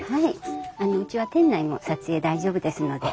うちは店内も撮影大丈夫ですので。